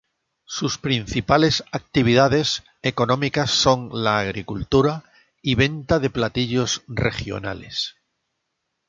Su principales actividades económicas son la agricultura y venta de platillos regionales.